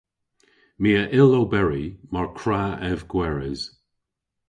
My a yll oberi mar kwra ev gweres.